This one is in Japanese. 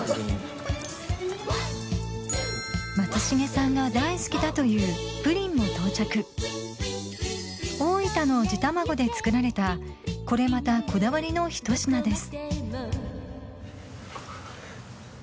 松重さんが大好きだというプリンも到着で作られたこれまたこだわりのひと品です